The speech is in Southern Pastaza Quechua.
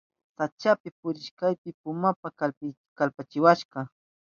Sachapi purihushpayni pumaka kallpachiwashka.